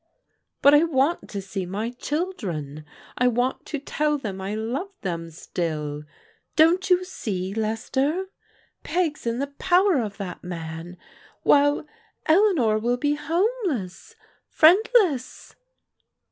" But I want to see my children. I want to tell them I love them still! Don't you see, Lester? Peg's in the power of that man, while Eleanor will be homeless, friendless."